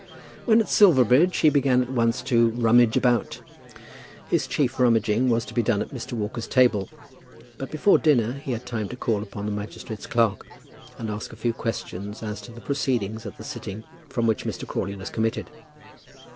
When at Silverbridge, he began at once to "rummage about." His chief rummaging was to be done at Mr. Walker's table; but before dinner he had time to call upon the magistrate's clerk, and ask a few questions as to the proceedings at the sitting from which Mr. Crawley was committed.